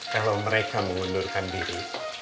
kalau mereka mengundurkan diri